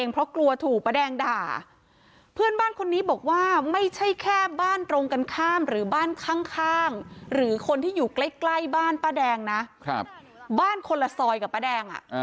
ป้าแดงด่าเพื่อนบ้านคนนี้บอกว่าไม่ใช่แค่บ้านตรงกันข้ามหรือบ้านข้างข้างหรือคนที่อยู่ใกล้ใกล้บ้านป้าแดงนะครับบ้านคนละซอยกับป้าแดงอ่ะอ่า